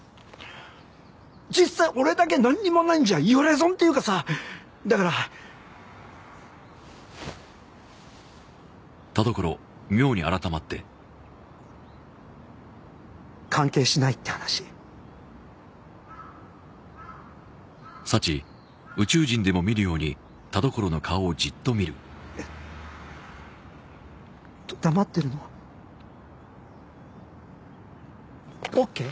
実際俺だけなんにもないんじゃ言われ損っていうかさだから関係しない？って話えっ黙ってるのはオーケー？